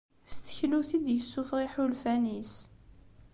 S teklut i d-yessufeɣ iḥulfan-is.